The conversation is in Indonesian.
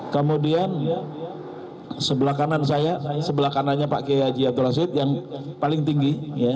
kemudian sebelah kanan saya sebelah kanannya pak kiai haji abdul rasid yang paling tinggi